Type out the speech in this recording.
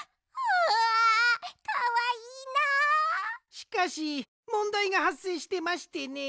しかしもんだいがはっせいしてましてね。